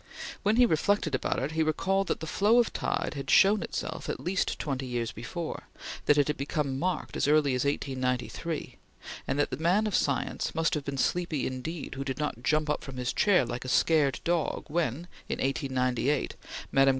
When he reflected about it, he recalled that the flow of tide had shown itself at least twenty years before; that it had become marked as early as 1893; and that the man of science must have been sleepy indeed who did not jump from his chair like a scared dog when, in 1898, Mme.